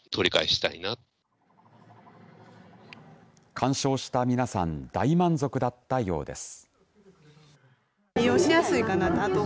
鑑賞した皆さん大満足だったようです。